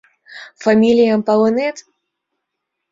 Фамилием палынет?